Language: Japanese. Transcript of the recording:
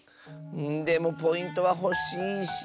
でもポイントはほしいし。